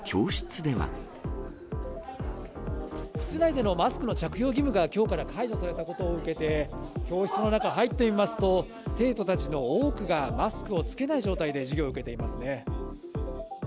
室内でのマスクの着用義務がきょうから解除されたことを受けて、教室の中、入ってみますと、生徒たちの多くがマスクを着けない状態で授業を受けていますね。